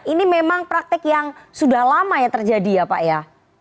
ini memang praktik yang sudah lama ya terjadi ya pak ya